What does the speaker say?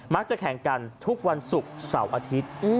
จะแข่งกันทุกวันศุกร์เสาร์อาทิตย์